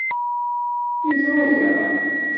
Yeẓra-aɣ.